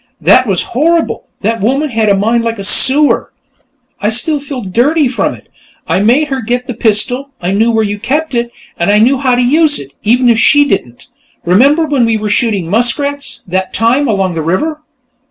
"That was horrible; that woman had a mind like a sewer; I still feel dirty from it! But I made her get the pistol I knew where you kept it and I knew how to use it, even if she didn't. Remember when we were shooting muskrats, that time, along the river?"